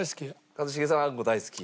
一茂さんはあんこ大好き。